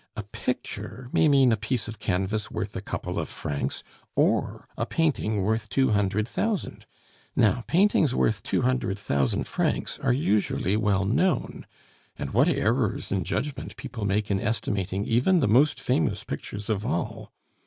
A picture may mean a piece of canvas worth a couple of francs or a painting worth two hundred thousand. Now, paintings worth two hundred thousand francs are usually well known; and what errors in judgment people make in estimating even the most famous pictures of all!